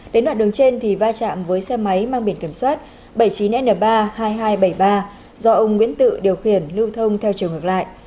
đến đoạn đường trên thì va chạm với xe máy mang biển kiểm soát bảy mươi chín n ba mươi hai nghìn hai trăm bảy mươi ba do ông nguyễn tự điều khiển lưu thông theo chiều ngược lại